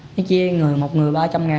nó chia một người ba trăm linh